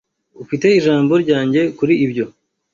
Ufite ijambo ryanjye kuri ibyo.